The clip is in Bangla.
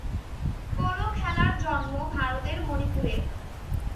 পোলো খেলার জন্ম ভারতের মণিপুরে।